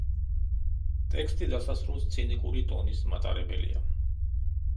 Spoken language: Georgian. ტექსტი დასასრულს ცინიკური ტონის მატარებელია.